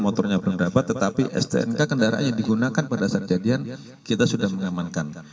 motornya berapa tetapi stnk kendaraan yang digunakan pada saat jadian kita sudah mengamankan